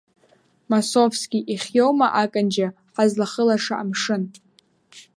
Масовски ихиоума аканџьа, ҳазлахылаша амшын?